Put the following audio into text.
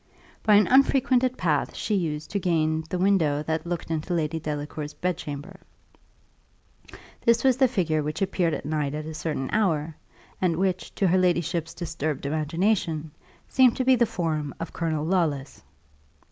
By an unfrequented path she used to gain the window that looked into Lady Delacour's bedchamber. This was the figure which appeared at night at a certain hour, and which, to her ladyship's disturbed imagination, seemed to be the form of Colonel Lawless.